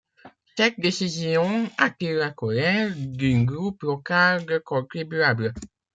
Cette décision attire la colère d’un groupe local de contribuables.